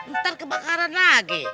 ntar kebakaran lagi